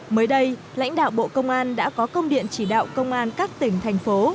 mới đây lãnh đạo bộ công an đã có công điện chỉ đạo công an các tỉnh thành phố